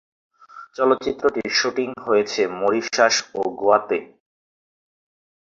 চলচ্চিত্রটির শুটিং হয়েছে মরিশাস ও গোয়াতে।